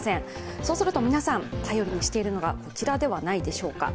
そうすると皆さん、頼りにしているのがこちらではないでしょうか。